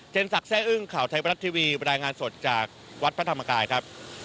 ศักดิ์แร่อึ้งข่าวไทยบรัฐทีวีบรรยายงานสดจากวัดพระธรรมกายครับ